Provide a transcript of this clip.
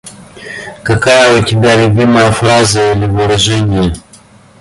Какая у тебя любимая фраза или выражение?